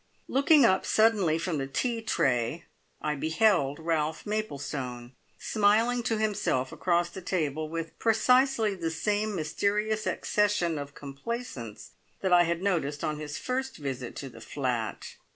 Looking up suddenly from the tea tray I beheld Ralph Maplestone smiling to himself across the table, with precisely the same mysterious accession of complaisance that I had noticed on his first visit to the flat.